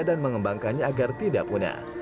dan mengembangkannya agar tidak punah